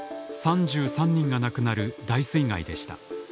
３３人が亡くなる大水害でした。